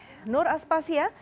di makam pondok rangon jakarta timur